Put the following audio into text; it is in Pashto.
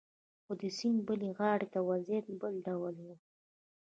خو د سیند بلې غاړې ته وضعیت بل ډول و